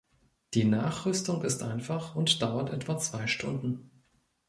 Die Nachrüstung ist einfach und dauert etwa zwei Stunden.